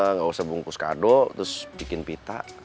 nggak usah bungkus kado terus bikin pita